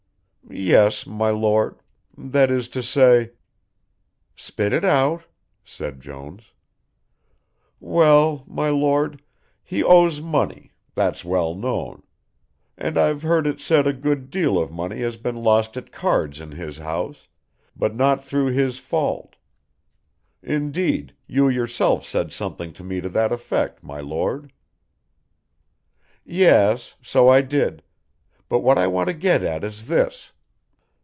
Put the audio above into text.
"Yes, my Lord that is to say " "Spit it out," said Jones. "Well, my Lord, he owes money, that's well known; and I've heard it said a good deal of money has been lost at cards in his house, but not through his fault. Indeed, you yourself said something to me to that effect, my Lord." "Yes, so I did But what I want to get at is this.